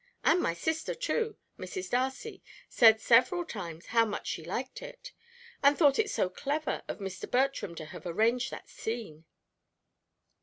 And my sister, too, Mrs. Darcy, said several times how much she liked it; she thought it so clever of Mr. Bertram to have arranged that scene."